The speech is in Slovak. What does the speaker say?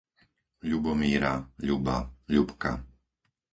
Ľubomíra, Ľuba, Ľubka